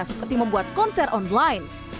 seperti membuat konser online